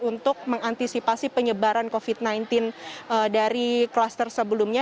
untuk mengantisipasi penyebaran covid sembilan belas dari kluster sebelumnya